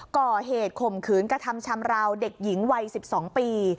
ข่มขืนกระทำชำราวเด็กหญิงวัย๑๒ปี